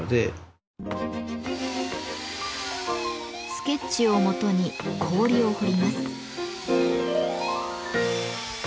スケッチをもとに氷を彫ります。